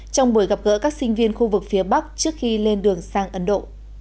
trong buổi gặp gỡ các sinh viên khu vực phía bắc trước khi lên đường sang ấn độ